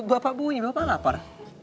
pak bapak bunyi bapak lapar